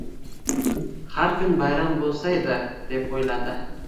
Har kun bayram bo'lsaydi, deb o'yladi.